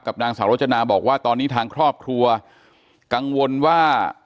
นางสาวรจนาบอกว่าตอนนี้ทางครอบครัวกังวลว่า